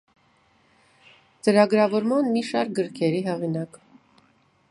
Ծրագրավորման մի շարք գրքերի հեղինակ։